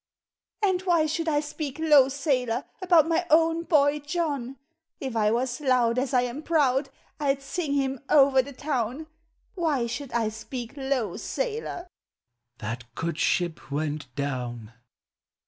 " And why should I speak low, sailor, About my own boy John? If 1 was loud as I am proud THE 8EA. 435 1 M sing him over the low ii ! Why should I speak low, sailor?" "That good ship went down."